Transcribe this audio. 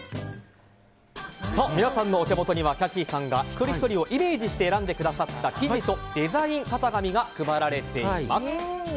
皆さんのお手元にはキャシーさんが一人ひとりをイメージして選んでくださった生地とデザイン型紙が配られています。